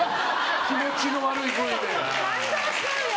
気持ちの悪いＶで。